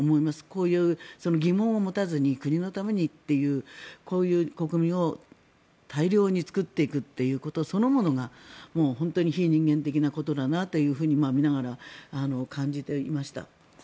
こういう疑問を持たずに国のためにというこういう国民を大量に作っていくということそのものがもう本当に非人間的なことだなと見ながら感じていました。